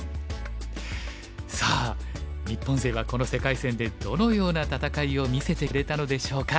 さあ日本勢はこの世界戦でどのような戦いを見せてくれたのでしょうか。